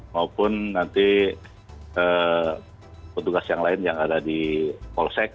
maupun nanti petugas yang lain yang ada di polsek